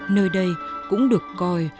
nơi đây cũng được coi